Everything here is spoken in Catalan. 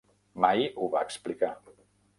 Mai ho va explicar.